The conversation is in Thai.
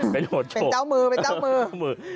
เป็นโหดโชคเป็นเจ้ามือเป็นเจ้ามือ